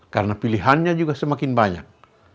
karena pilihannya juga semakin banyak